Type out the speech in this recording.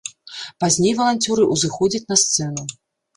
Пазней валанцёры ўзыходзяць на сцэну.